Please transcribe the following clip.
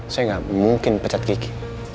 saya gak mungkin pecat kiki